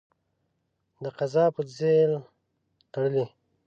د قضا په ځېل تړلی.